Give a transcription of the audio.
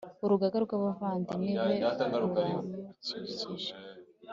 urugaga rw’abavandimwe be ruramukikije,